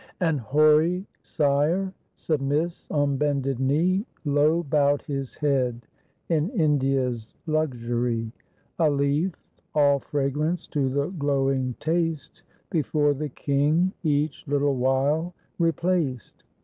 609 PORTUGAL An hoary sire submiss on bended knee (Low bow'd his head), in India's luxury, A leaf, all fragrance to the glowing taste, Before the king each little while replaced.